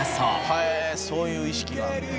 へえそういう意識があんねや。